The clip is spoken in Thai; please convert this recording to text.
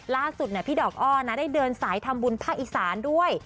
ล่าสุดพี่ดอกอ้อนะได้เดินสายทำบุญภาคอีสานด้วย